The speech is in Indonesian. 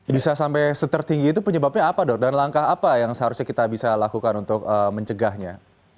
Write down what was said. bisa sampai setinggi itu penyebabnya apa dok dan langkah apa yang seharusnya kita bisa lakukan untuk mencegahnya